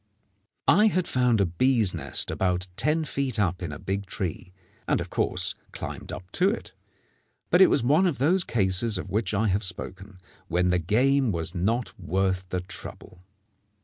I had found a bees' nest about ten feet up in a big tree, and of course climbed up to it; but it was one of those cases of which I have spoken, when the game was not worth the trouble.